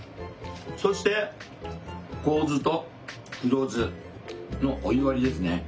そして香酢と黒酢のお湯割りですね。